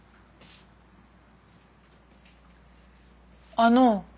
あの。